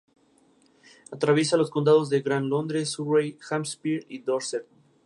Actualmente ya no es disponible usar Wi-Fi desde el juego.